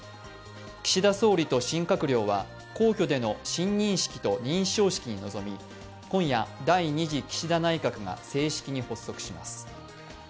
岸田総理と新閣僚は皇居での親任式と認証式に臨み今夜、第２次岸田内閣が正式に発足します。